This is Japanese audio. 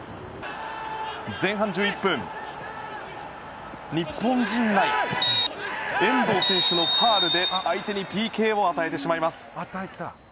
前半１１分、日本陣内遠藤選手のファウルで相手にＰＫを与えてしまいます。